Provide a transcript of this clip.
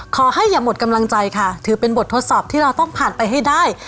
ขอให้อย่าหมดกำลังใจค่ะถือเป็นบททดสอบที่เราต้องผ่านไปให้ได้